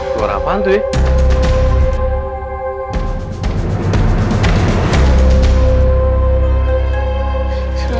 suara apaan tuh ya